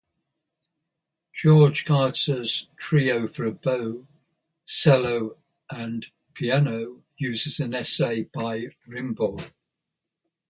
Georg Katzer's "Trio for Oboe, Cello, and Piano" uses an essay by Rimbaud.